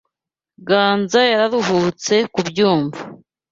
Ganza yararuhutse kubyumva.